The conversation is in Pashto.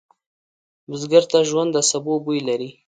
بزګر ته ژوند د سبو بوی لري